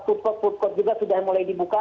food court juga sudah mulai dibuka